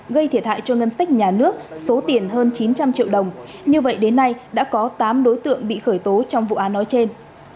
gây thiệt hại cho ngân sách nhà nước số tiền hơn chín trăm linh triệu đồng như vậy đến nay đã có tám đối tượng bị khởi tố trong vụ án nói trên